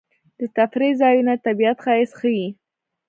د تفریح ځایونه د طبیعت ښایست ښيي.